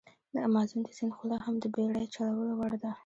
د امازون د سیند خوله هم د بېړی چلولو وړ ده.